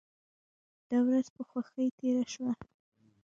دا ورځ په خوښۍ تیره شوه.